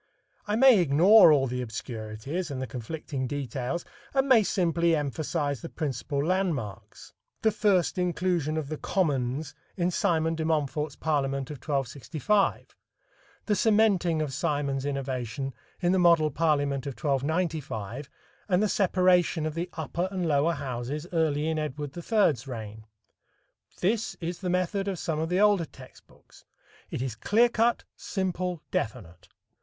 I may ignore all the obscurities and the conflicting details, and may simply emphasize the principal landmarks the first inclusion of the "commons" in Simon de Montfort's parliament of 1265; the cementing of Simon's innovation in the Model Parliament of 1295, and the separation of the upper and lower Houses early in Edward III's reign. This is the method of some of the older text books. It is clear cut, simple, definite.